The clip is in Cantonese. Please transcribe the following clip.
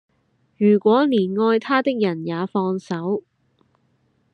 如果連愛他的人也放手